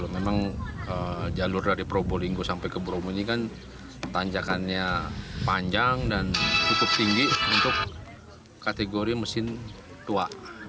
memang jalur dari probolinggo sampai ke bromo ini kan tanjakannya panjang dan cukup tinggi untuk kategori mesin tua